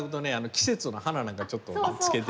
季節の花なんかちょっとつけてね。